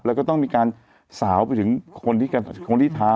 แล้วก็ต้องมีการสาวไปถึงคนที่คนที่ท้า